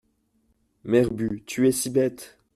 Mère Ubu Tu es si bête !